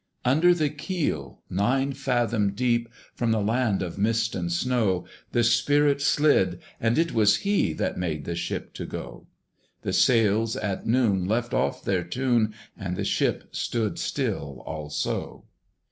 Under the keel nine fathom deep, From the land of mist and snow, The spirit slid: and it was he That made the ship to go. The sails at noon left off their tune, And the ship stood still also.